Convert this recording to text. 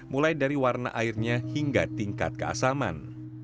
mulai dari warna airnya hingga tingkat keasaman